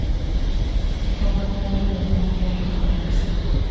او په برخه یې ترمرګه پښېماني سي